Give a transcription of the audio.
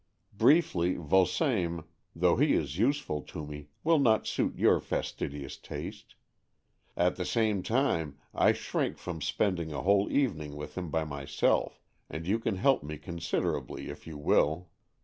Briefly, Vulsame, though he is useful to me, will not suit your fastidious taste. At the same time, I shrink from spending a whole evening with him by my self, and you can help me considerably if you will.